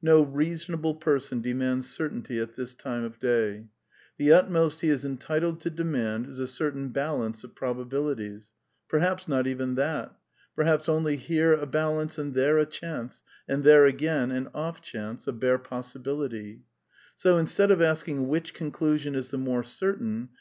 No reasonable person demands certainly at this time of day. The utmost he is entitled to demand is a certain balance of probabilities. Perhaps not even that. Perhaps only here a balance and there a chancy and there, again, an off chance, a bare possibility. So, instead of asking Which conclusion is the more certain?